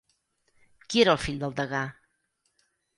Qui era el fill del degà?